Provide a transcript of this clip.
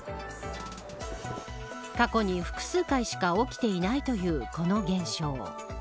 過去に複数回しか起きていないというこの現象。